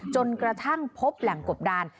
จนกระทั่งพบแหล่งกบดาน